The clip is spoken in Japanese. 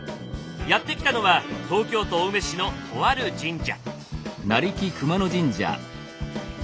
やって来たのは東京都青梅市のとある神社。